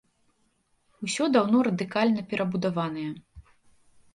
Усё даўно радыкальна перабудаваная.